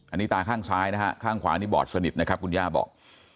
อันนี้ตาข้างซ้ายนะฮะข้างขวานี่บอดสนิทนะครับคุณย่าบอก